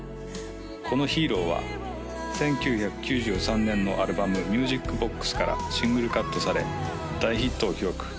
この「Ｈｅｒｏ」は１９９３年のアルバム「ＭｕｓｉｃＢｏｘ」からシングルカットされ大ヒットを記録